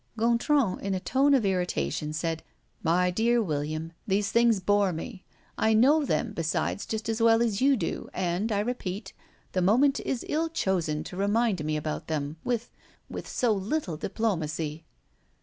Gontran, in a tone of irritation, said: "My dear William, these things bore me. I know them, besides, just as well as you do, and, I repeat, the moment is ill chosen to remind me about them with with so little diplomacy."